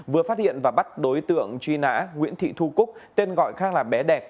vừa phát hiện và bắt đối tượng truy nã nguyễn thị thu cúc tên gọi khác là bé đẹp